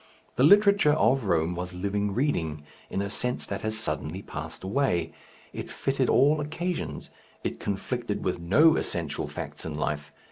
The literature of Rome was living reading in a sense that has suddenly passed away, it fitted all occasions, it conflicted with no essential facts in life.